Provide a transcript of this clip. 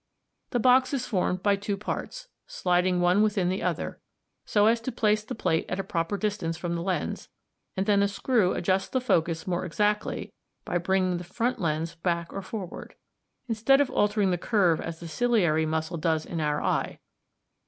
The box is formed of two parts, sliding one within the other at c, so as to place the plate at a proper distance from the lens, and then a screw adjusts the focus more exactly by bringing the front lens back or forward, instead of altering the curve as the ciliary muscle does in our eye.